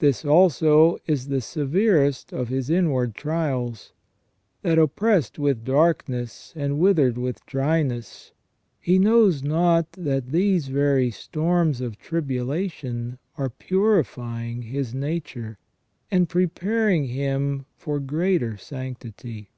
This, also, is the severest of his inward trials — that, oppressed with darkness and withered with dryness, he knows not that these very storms of tribulation are purifying his nature, and preparing him for greater sanctity.